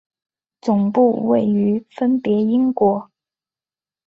总部位于分别英国。